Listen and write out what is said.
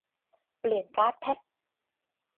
เปลี่ยนการ์ดแพพ